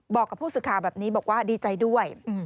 บอกกับผู้สื่อข่าวแบบนี้บอกว่าดีใจด้วย